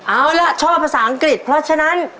เอาล่ะชอบภาษาอังกฤษเพราะฉะนั้น